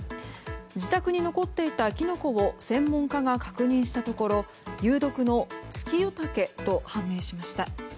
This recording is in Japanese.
自宅に残っていたキノコを専門家が確認したところ有毒のツキヨタケと判明しました。